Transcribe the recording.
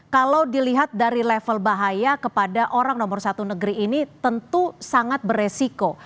kalau dilihat dari level bahaya kepada orang nomor satu negeri ini tentu sangat beresiko